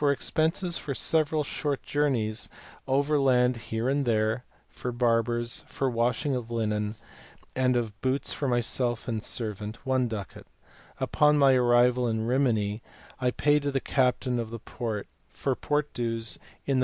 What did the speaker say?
expenses for several short journeys over land here and there, for barbers, for washing of linen, and of boots for myself and servant, 1 ducat ; upon my arrival at Rimini I pay to the captain of the port for port dues in the 214 THE MATHEMATICS OF THE RENAISSANCE.